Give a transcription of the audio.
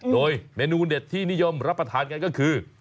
โดยเมนูเด็ดที่นิยมรับประทานกันก็คือ